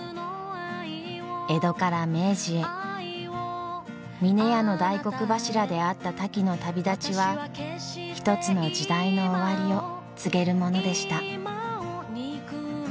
江戸から明治へ峰屋の大黒柱であったタキの旅立ちは一つの時代の終わりを告げるものでした。